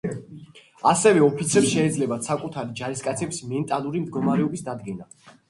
ასევე ოფიცრებს შეეძლებათ საკუთარი ჯარისკაცების მენტალური მდგომარეობის დადგენა.